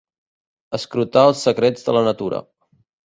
Escrutar els secrets de la natura.